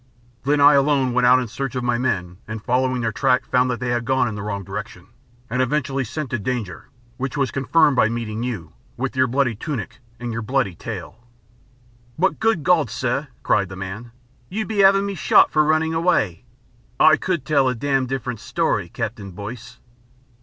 Then I alone went out in search of my men and following their track found they had gone in a wrong direction, and eventually scented danger, which was confirmed by my meeting you, with your bloody tunic and your bloody tale." "But good God! sir," cried the man, "You'd be having me shot for running away. I could tell a damned different story, Captain Boyce."